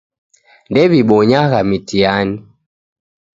Ndew'ibonyagha mitihani